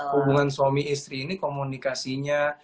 hubungan suami istri ini komunikasinya